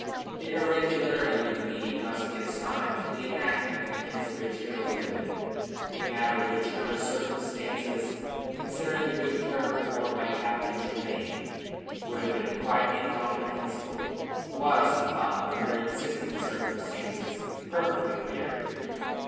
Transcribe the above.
The irregularity of the meeting must be assigned to the enactment against which it offended. A matter which, under other circumstances, considering the good character borne by Captain Tremayne, would have been quite incomprehensible, was, he thought, under existing circumstances, perfectly clear.